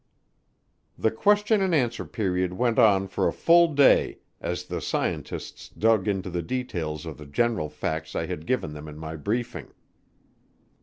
The question and answer period went on for a full day as the scientists dug into the details of the general facts I had given them in my briefing.